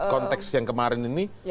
konteks yang kemarin ini